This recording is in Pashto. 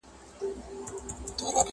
سهار چي له خلوته را بهر سې خندا راسي!